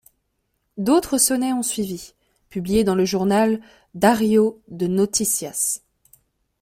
D'autres sonnets ont suivi, publiés dans le journal Diário de Noticias.